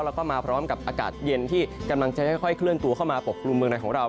แล้วก็มาพร้อมกับอากาศเย็นที่กำลังจะค่อยเคลื่อนตัวเข้ามาปกกลุ่มเมืองในของเรา